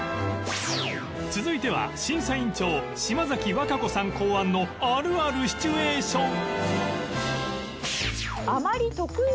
続いては審査委員長島崎和歌子さん考案のあるあるシチュエーション